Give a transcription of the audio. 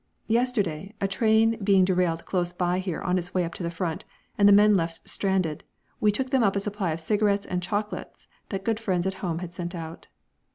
_ Yesterday, a train being derailed close by here on its way up to the front, and the men left stranded, we took them up a supply of cigarettes and chocolates that good friends at home had sent out.